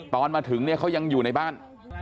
ตอนมาถึงเขายังอยู่ในบ้าน